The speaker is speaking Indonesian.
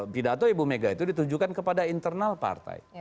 pidato ibu mega itu ditujukan kepada internal partai